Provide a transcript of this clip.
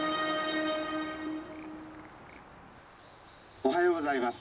おはようございます。